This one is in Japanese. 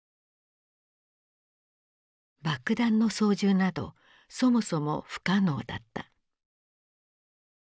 爆弾の操縦などそもそも不可能だった。